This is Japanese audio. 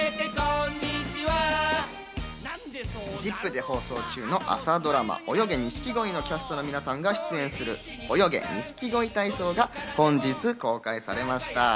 『ＺＩＰ！』で放送中の朝ドラマ『泳げ！ニシキゴイ』のキャストの皆さんが出演する、『泳げ！ニシキゴイ体操』が本日公開されました。